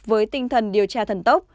với tinh thần điều tra thần tốc